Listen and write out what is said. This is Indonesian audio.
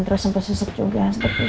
terus sampai sesek juga